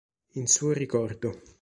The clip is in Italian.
In suo ricordo.